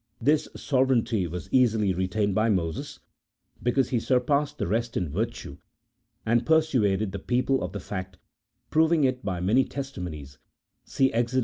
This sove reignty was easily retained by Moses, because he surpassed the rest in virtue and persuaded the people of the fact, proving it by many testimonies (see Exod.